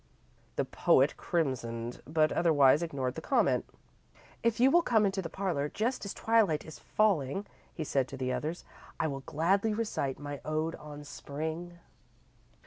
The poet crimsoned, but otherwise ignored the comment. "If you will come into the parlour just as twilight is falling," he said to the others, "I will gladly recite my ode on Spring."